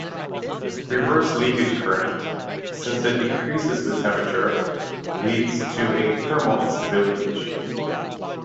Reverse leakage current, since it increases with temperature, leads to a thermal instability issue.